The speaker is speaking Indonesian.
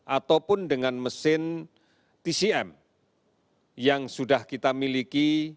ataupun dengan mesin tcm yang sudah kita miliki